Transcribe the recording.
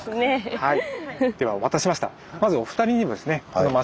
はい。